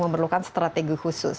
menarik adalah yang yang kita lakukan